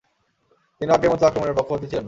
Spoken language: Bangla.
তিনি অজ্ঞের মত আক্রমণের পক্ষপাতি ছিলেন না।